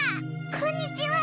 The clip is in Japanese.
こんにちは。